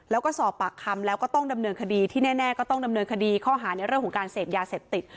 แล้วก็สอบปากคำแล้วก็ต้องดำเนินคดีที่แน่ก็ต้องดำเนินคดีข้อหาในเรื่องของการเสพยาเสพติด